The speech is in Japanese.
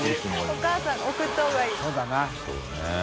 お母さん送ったほうがいいそうだな。